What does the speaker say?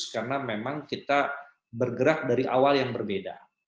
karena memang kita bergerak dari awal yang berbeda